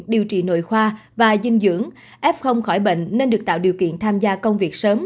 điều trị nội khoa và dinh dưỡng f khỏi bệnh nên được tạo điều kiện tham gia công việc sớm